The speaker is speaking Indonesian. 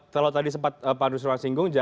kalau tadi sempat pak andrus ruan singgung